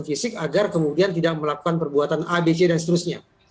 fisik agar kemudian tidak melakukan perbuatan abc dan seterusnya